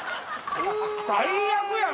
最悪やん！